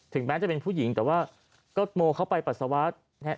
ถึงแม้จะเป็นผู้หญิงแต่ว่าก็โมเข้าไปปรัสสาวะ